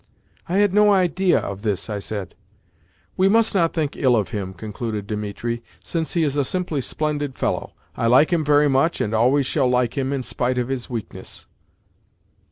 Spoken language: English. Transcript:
"I had no idea of this," I said. "We must not think ill of him," concluded Dimitri, "since he is a simply splendid fellow. I like him very much, and always shall like him, in spite of his weakness."